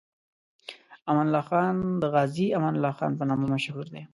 امان الله خان د غازي امان الله خان په نامه مشهور دی.